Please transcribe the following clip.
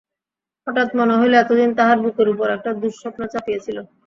হঠাৎ মনে হইল এতদিন তাহার বুকের উপর একটা দুঃস্বপ্ন চাপিয়া ছিল।